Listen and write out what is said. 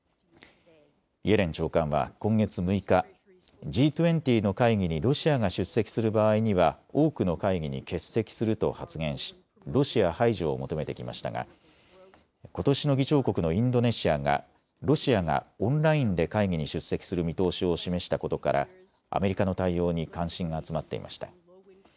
イエレン長官は今月６日、Ｇ２０の会議にロシアが出席する場合には多くの会議に欠席すると発言しロシア排除を求めてきましたがことしの議長国のインドネシアがロシアがオンラインで会議に出席する見通しを示したことからアメリカの対応に関心が集まっていました。